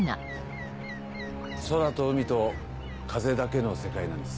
空と海と風だけの世界なんです。